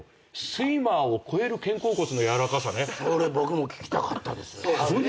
それ僕も聞きたかったです。